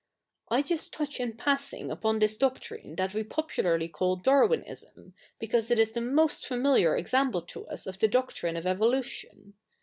'* I fust touch iti passing upo?i this doctrine that we popularly call Darwi?iism, because it is the fnost familiar example to us of the doctrine of evolution.